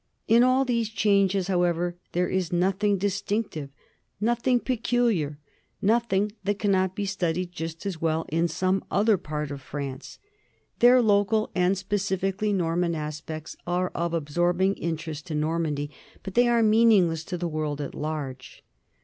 In all these changes, however, there is nothing distinc tive, nothing peculiar, nothing that cannot be studied just as well in some other part of France. Their local and specifically Norman aspects are of absorbing in terest to Normandy, but they are meaningless to the world at large.